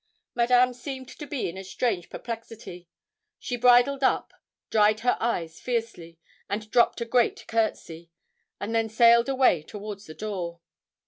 Madame seemed to be in a strange perplexity. She bridled up, dried her eyes fiercely, and dropped a great courtesy, and then sailed away towards the door.